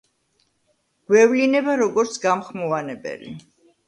გვევლინება როგორც გამხმოვანებელი.